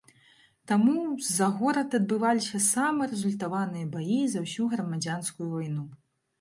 Таму, за горад адбываліся самыя разлютаваныя баі за ўсю грамадзянскую вайну.